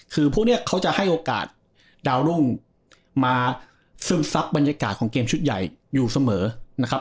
คือพวกนี้เขาจะให้โอกาสดาวรุ่งมาซึมซับบรรยากาศของเกมชุดใหญ่อยู่เสมอนะครับ